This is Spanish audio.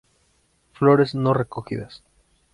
Flores no recogidas.